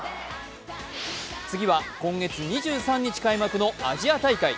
次は今月２３日開幕のアジア大会。